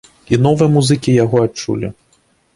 І новыя музыкі яго адчулі.